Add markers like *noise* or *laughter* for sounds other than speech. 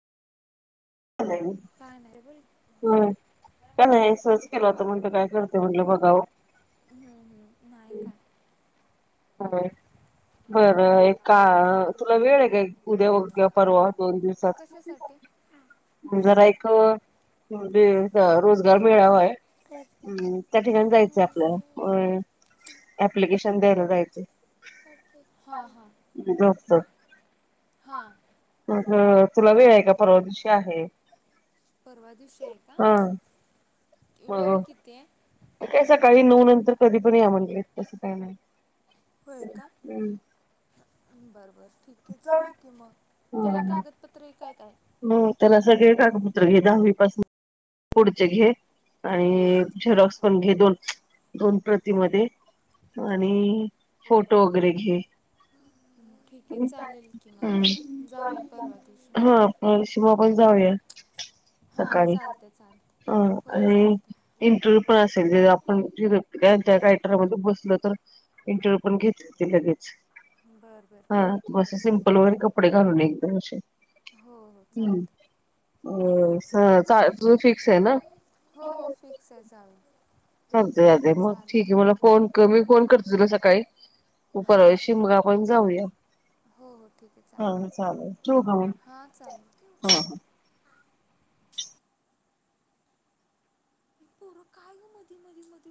काय नाहीे बाई *unintelligible* हम्म हम्म नाही काय. *unintelligible* बरं एक का तुला वेळ आहे काय उद्या किंवा परवा दोन दिवसात? जरा एक म्हणजे अ रोजगार मेळावा आहे अम्म त्या ठिकाणी जायचंय आपल्याला होय ऍप्लिकेशन द्यायला जाय हां हां हां परवा दिवशी आहे का? वेळ किती आहे? काय सकाळी नऊ नंतर कधी पण या म्हटलेत तसं काय नाही. होय का? *inaudible* ठीक आहे जाऊया की मग त्याला कागदपत्रे काय काय? नाही त्याला सगळे कागदपत्र घे दहावीपासून पुढचे घे आणि झेरॉक्स पण घे दोन दोन प्रती मध्ये आणि हम्म ठीक आहे चालेल की म जाऊया परवा दिवशी. *unintelligible* जाऊया सकाळी हां आणि इंटरव्ह्यू पण असेल ज आपण *unintelligible* बसलो तर इंटरव्ह्यू पण घेतील ते लगेच. हां बस सिंपल वगैरे कपडे घालून एकदम अशे. हम अ चा तुझ फिक्स आहे ना? चालतयं चालतयं मग ठीक आहे, मला फोन कर, मी फोन करते तुला सकाळी. परवा दिवशी मग आपण जाऊया, हा चालेल ठेवू का मग? पोर काय ग मधी मधी मध्ये